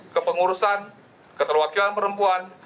kepengurusan keterwakilan perempuan